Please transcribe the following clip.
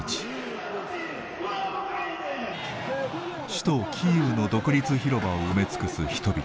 首都キーウの独立広場を埋め尽くす人々。